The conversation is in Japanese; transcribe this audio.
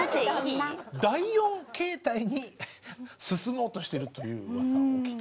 第４形態に進もうとしてるという噂を。